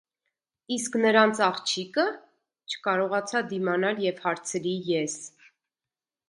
- Իսկ նրանց աղջի՞կը,- չկարողացա դիմանալ և հարցրի ես: